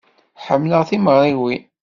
Ḥemmleɣ timeɣriwin.